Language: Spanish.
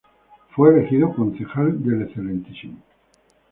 Fue elegido Concejal del Excmo.